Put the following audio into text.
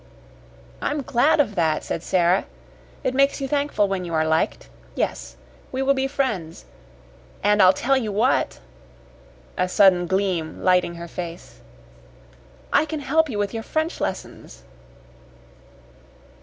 "I'm glad of that," said Sara. "It makes you thankful when you are liked. Yes. We will be friends. And I'll tell you what" a sudden gleam lighting her face "I can help you with your French lessons."